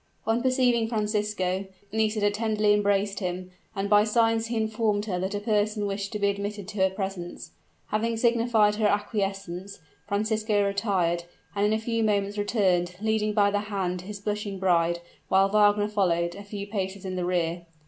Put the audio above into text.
On perceiving Francisco, Nisida tenderly embraced him; and by signs he informed her that a person wished to be admitted to her presence. Having signified her acquiescence, Francisco retired, and in a few moments returned, leading by the hand his blushing bride, while Wagner followed, a few paces in the rear.